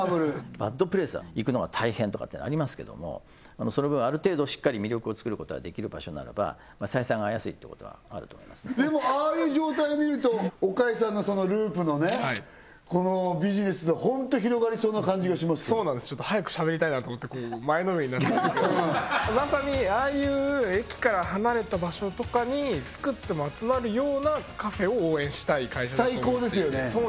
バッドプレイスは行くのが大変とかってありますけどもその分ある程度しっかり魅力をつくることができる場所ならば採算が合いやすいっていうことはあると思いますでもああいう状態を見ると岡井さんのループのねこのビジネスってホント広がりそうな感じがしますそうなんです早くしゃべりたいなと思ってこう前のめりになってたんですけどまさにああいう駅から離れた場所とかにつくっても集まるようなカフェを応援したい会社だと思っていて最高ですよね